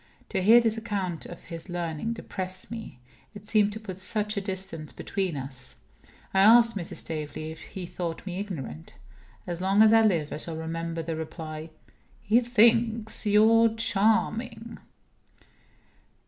To hear this account of his learning depressed me. It seemed to put such a distance between us. I asked Mrs. Staveley if he thought me ignorant. As long as I live I shall remember the reply: "He thinks you charming."